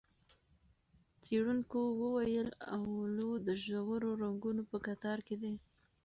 څېړونکو وویل، اولو د ژورو رنګونو په کتار کې دی.